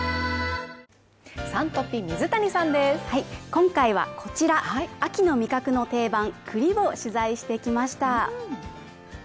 今回はこちら、秋の味覚の定番、栗を取材してきました。